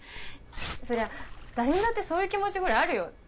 そりゃ誰にだってそういう気持ちぐらいあるよ。